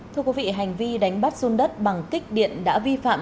thưa quý vị hành vi đánh bắt run đất bằng kích điện đã vi phạm